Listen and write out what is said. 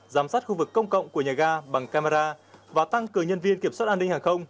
giám sát khu vực công cộng của nhà ga bằng camera và tăng cường nhân viên kiểm soát an ninh hàng không